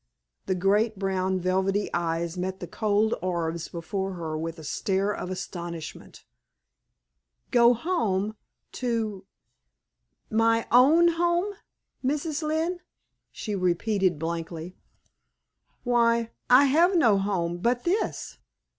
The great brown velvety eyes met the cold orbs before her with a stare of astonishment. "Go home to my own home, Mrs. Lynne?" she repeated, blankly. "Why, I have no home but this!"